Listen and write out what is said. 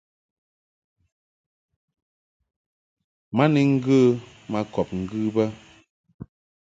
Ma ni ŋgə ma kɔb ŋgɨ bə.